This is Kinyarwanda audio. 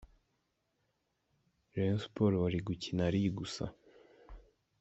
Rayon Sports bari gukina ri gusa.